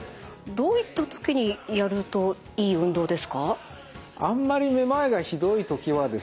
どういったときにやるといい運動ですか？